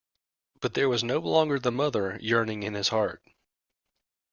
But there was no longer the mother yearning in his heart.